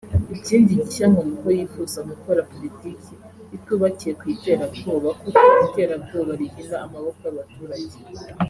Ikindi gishya ngo ni uko yifuza gukora politiki itubakiye ku iterabwoba kuko iterabwoba rihina amaboko y’abaturage